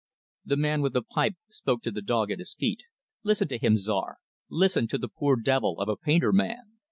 The man with the pipe spoke to the dog at his feet; "Listen to him, Czar listen to the poor devil of a painter man."